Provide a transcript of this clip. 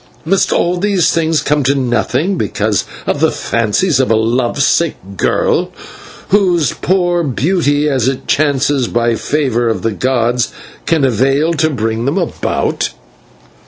Must all these things come to nothing because of the fancies of a love sick girl, whose poor beauty, as it chances by favour of the gods, can avail to bring them about?"